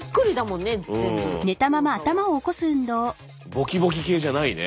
ボキボキ系じゃないね。